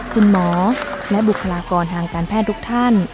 คุณหมอและบุคลากรทางการแพทย์ทุกท่าน